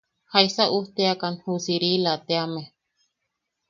¿Jaisa ujteakan ju Sirila teame?